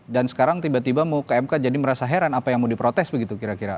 dan sekarang tiba tiba mau ke mk jadi merasa heran apa yang mau diprotes begitu kira kira